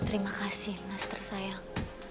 terima kasih mas tersayang